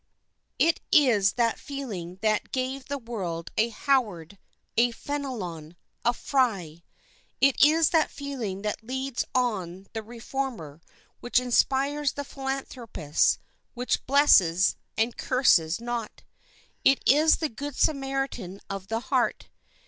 It is that feeling that gave the world a Howard, a Fenelon, a Fry. It is that feeling that leads on the reformer, which inspires the philanthropists, which blesses, and curses not. It is the good Samaritan of the heart.